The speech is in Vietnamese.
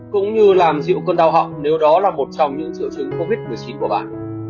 cũng như làm dịu cơn đau họng nếu đó là một trong những triệu chứng covid một mươi chín của bạn